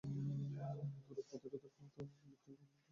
রোগ প্রতিরোধের ক্ষমতা বৃদ্ধি ও তৈরি করতে খনিজ লবণ অত্যন্ত প্রয়োজন।